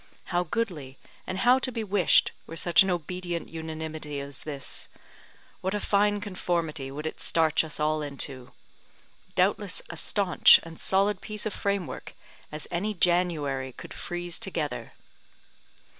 How goodly and how to be wished were such an obedient unanimity as this, what a fine conformity would it starch us all into! Doubtless a staunch and solid piece of framework, as any January could freeze together.